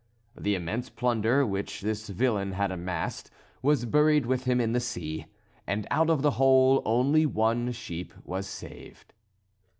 The immense plunder which this villain had amassed, was buried with him in the sea, and out of the whole only one sheep was saved.